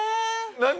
何？